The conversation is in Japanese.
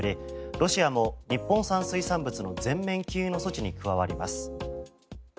ロシアも日本産水産物の全面禁輸の措置に加わります。